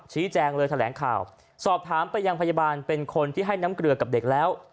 ชี้แจงเลยแถลงข่าวสอบถามไปยังพยาบาลเป็นคนที่ให้น้ำเกลือกับเด็กแล้ว